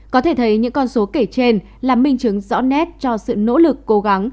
có thể thấy những con số kể trên là minh chứng rõ nét cho sự nỗ lực cố gắng